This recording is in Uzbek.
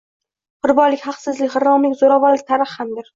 qurbonlik, haqsizlik, g’irromlik, zo’ravonlik tarixi hamdir.